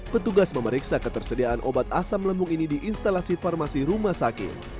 petugas memeriksa ketersediaan obat asam lembung ini di instalasi farmasi rumah sakit